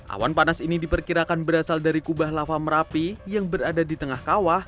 awan panas ini diperkirakan berasal dari kubah lava merapi yang berada di tengah kawah